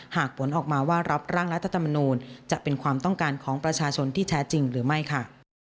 หากผลออกมาว่ารับร่างรัฐธรรมนูลจะเป็นความต้องการของประชาชนที่แท้จริงหรือไม่ค่ะ